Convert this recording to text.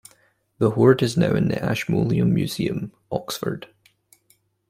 The hoard is now in the Ashmolean Museum, Oxford.